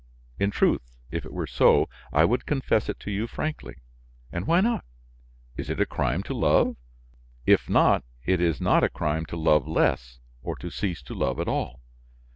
In truth, if it were so, I would confess it to you frankly. And why not? Is it a crime to love? If not, it is not a crime to love less or to cease to love at all.